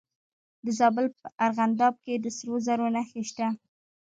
د زابل په ارغنداب کې د سرو زرو نښې شته.